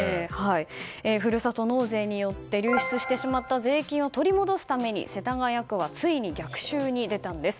ふるさと納税によって流出してしまった税金を取り戻すために、世田谷区はついに逆襲に出たんです。